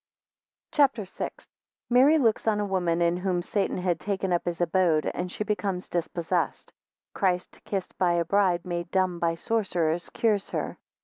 CHAPTER VI. 1 Mary looks on a woman in whom Satan had taken up his abode, and she becomes dispossessed. 5 Christ kissed by a bride made dumb by sorcerers, cures her.